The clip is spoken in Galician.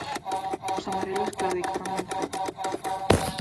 Os amarelos claudicaron ben cedo.